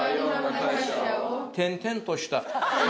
転々とした。